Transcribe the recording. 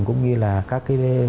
cũng như là các cái